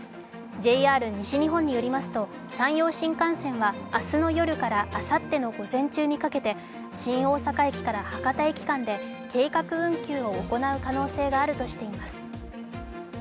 ＪＲ西日本によりますと、山陽新幹線は明日の夜からあさっての午前中にかけて新大阪駅から博多駅間で計画運休を行う可能性があるとしています。